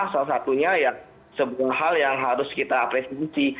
salah satunya ya sebuah hal yang harus kita apresiasi